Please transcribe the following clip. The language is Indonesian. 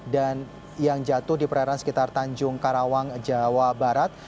dan yang jatuh di perairan sekitar tanjung karawang jawa barat